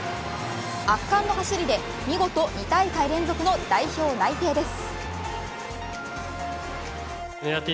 圧巻の走りで見事２大会連続の代表内定です。